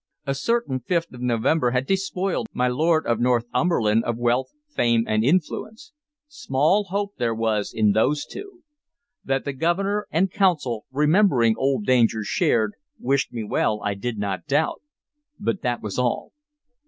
A certain fifth of November had despoiled my Lord of Northumberland of wealth, fame, and influence. Small hope there was in those two. That the Governor and Council, remembering old dangers shared, wished me well I did not doubt, but that was all.